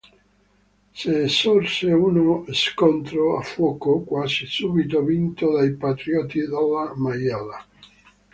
Ne sorse uno scontro a fuoco, quasi subito vinto dai patrioti della Maiella.